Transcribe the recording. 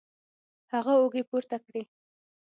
هغه اوږې پورته کړې